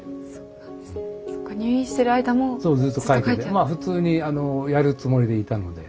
まあ普通にやるつもりでいたので。